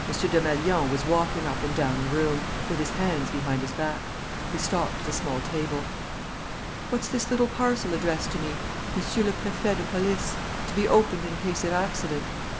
Desmalions was walking up and down the room, with his hands behind his back. He stopped at a small table. "What's this little parcel addressed to me? 'Monsieur le Préfet de Police to be opened in case of accident.'"